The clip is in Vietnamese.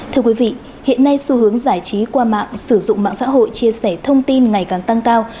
thưa quý vị hiện nay xu hướng giải trí qua mạng sử dụng mạng xã hội chia sẻ thông tin ngày càng tăng cao